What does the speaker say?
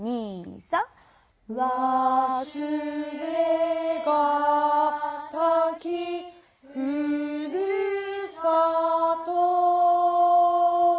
「わすれがたきふるさと」